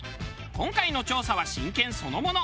今回の調査は真剣そのもの。